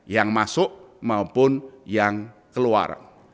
yang masuk maupun yang keluar